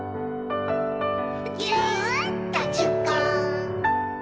「ぎゅっとじゅっこ」